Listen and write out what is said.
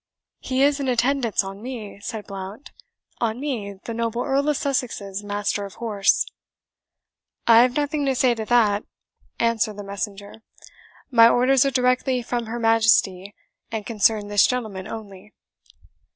"He is in attendance on me," said Blount "on me, the noble Earl of Sussex's master of horse." "I have nothing to say to that," answered the messenger; "my orders are directly from her Majesty, and concern this gentleman only."